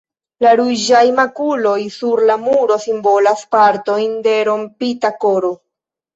La ruĝaj makuloj sur la muro simbolas partojn de rompita koro.